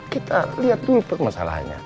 kita lihat dulu masalahnya